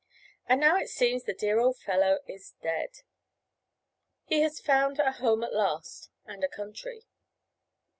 And now it seems the dear old fellow is dead. He has found a home at last, and a country.